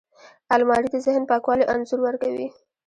الماري د ذهن پاکوالي انځور ورکوي